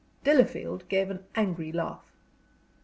Delafield gave an angry laugh.